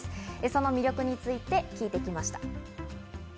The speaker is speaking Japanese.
その魅力について聞いてきました。